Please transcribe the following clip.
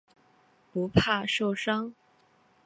不怕受伤。